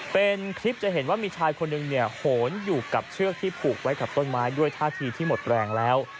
เป็นคลิปจะเห็นว่ามีชายคนหนึ่งเนี่ยโหนอยู่กับเชือกที่ผูกไว้กับต้นไม้ด้วยท่าทีที่หมดแรงแล้ว